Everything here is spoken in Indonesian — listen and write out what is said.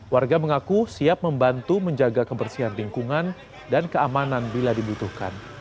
warga mengaku siap membantu menjaga kebersihan lingkungan dan keamanan bila dibutuhkan